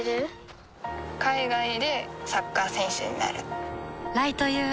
海外でサッカー選手になる